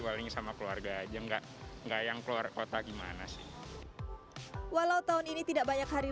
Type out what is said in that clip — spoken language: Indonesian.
paling sama keluarga aja enggak enggak yang keluar kota gimana sih walau tahun ini tidak banyak hari